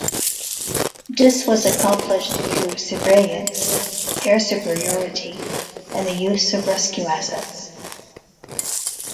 This was accomplished through surveillance, air superiority and the use of rescue assets.